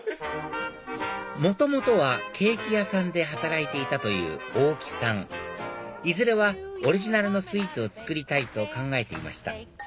元々はケーキ屋さんで働いていたという大貴さんいずれはオリジナルのスイーツを作りたいと考えていました